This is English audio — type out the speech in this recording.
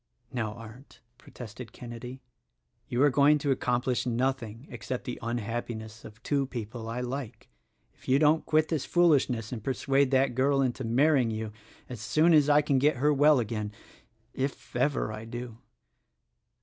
"Now, Arndt," protested Kenedy, "you are going to accomplish nothing except the unhappiness of two people I like, if you don't quit this foolishness and persuade that girl into marrying you as soon as I can get her well again — if ever I do."